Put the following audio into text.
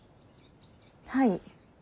はい。